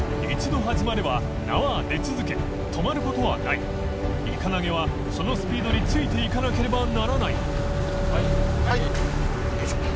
祕貪始まれば縄は出続け止まることはない礇ぅ蠅欧そのスピードについていかなければならない田中さん）